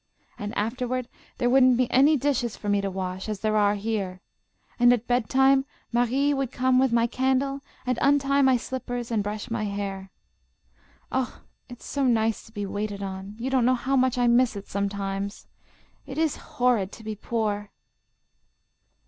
And afterward there wouldn't be any dishes for me to wash, as there are here, and at bedtime Marie would come with my candle and untie my slippers and brush my hair. Oh, it's so nice to be waited on! You don't know how I miss it sometimes. It is horrid to be poor."